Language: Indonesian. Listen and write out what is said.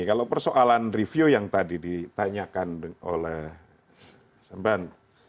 kalau persoalan review yang tadi ditanyakan oleh semban